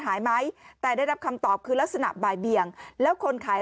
หายไหมแต่ได้รับคำตอบคือลักษณะบ่ายเบียงแล้วคนขาย